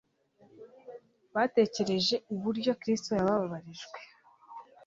Batekereje uburyo Kristo yababarijwe